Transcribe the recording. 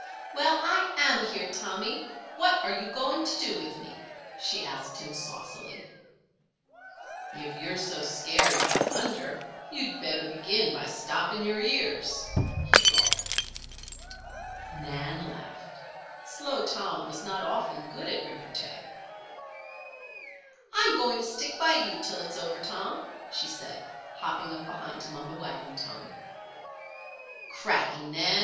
"Well, I am here, Tommy; what are you going to do with me?" she asked him, saucily. "If you're so scared by thunder you'd better begin by stopping your ears," he drawled. Nan laughed. Slow Tom was not often good at repartee. "I'm going to stick by you till it's over, Tom," she said, hopping up behind him on the wagon tongue. "Cracky, Nan!